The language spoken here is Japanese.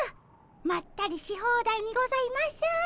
まったりし放題にございます。